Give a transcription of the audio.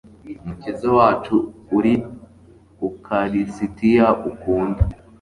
mukiza wacu uri ukarisitiya, ukunda